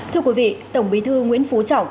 thưa quý vị tổng bí thư nguyễn phú trọng